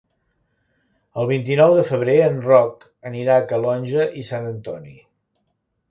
El vint-i-nou de febrer en Roc anirà a Calonge i Sant Antoni.